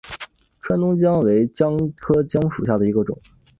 川东姜为姜科姜属下的一个种。